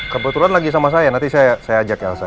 kebetulan lagi sama saya nanti saya ajak elsa